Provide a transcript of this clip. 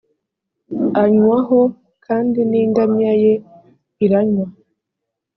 anywaho kandi n‘ingamiya ye iranywa